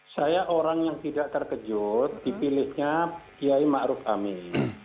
saya orang yang tidak terkejut dipilihnya kiai ma'ruf amin